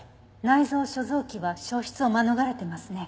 内臓諸臓器は焼失を免れてますね。